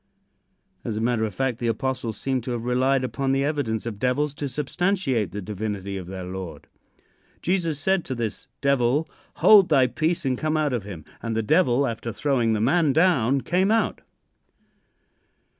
As a matter of fact, the apostles seemed to have relied upon the evidence of devils to substantiate the divinity of their Lord. Jesus said to this devil: "Hold thy peace and come out of him." And the devil, after throwing the man down, came out.